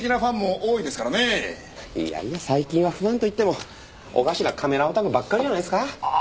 いやいや最近はファンといってもおかしなカメラオタクばっかりじゃないですか？